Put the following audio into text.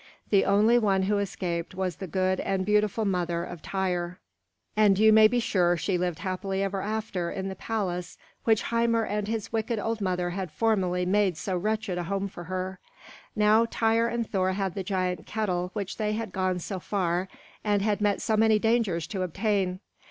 The only one who escaped was the good and beautiful mother of Tŷr. And you may be sure she lived happily ever after in the palace which Hymir and his wicked old mother had formerly made so wretched a home for her. Now Tŷr and Thor had the giant kettle which they had gone so far and had met so many dangers to obtain.